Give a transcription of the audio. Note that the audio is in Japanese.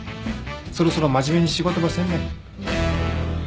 そろそろ真面目に仕事ばせんね。